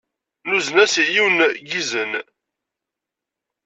Nuzen-as yiwen n yizen.